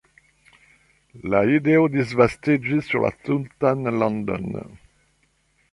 La ideo disvastiĝis sur la tutan landon.